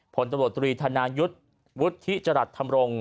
ผลตำรวจตรีธนายุทธ์วุฒิจรัสธรรมรงค์